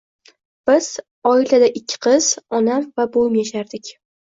Biz oilada ikki qiz, onam va buvim yashardik